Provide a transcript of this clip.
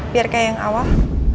biar kayak yang awal